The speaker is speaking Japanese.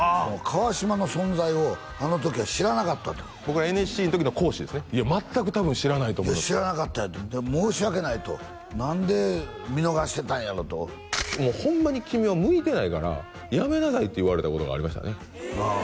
川島の存在をあの時は知らなかったと僕がＮＳＣの時の講師ですねいや全く多分知らないと思う申し訳ないと何で見逃してたんやろともうホンマに君は向いてないからやめなさいって言われたことがありましたね